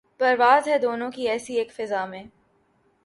پرواز ہے دونوں کی اسی ایک فضا میں